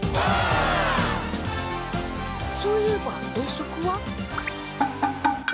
そういえば遠足は？